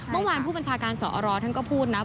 เมื่อวานผู้บัญชาการสอรท่านก็พูดนะ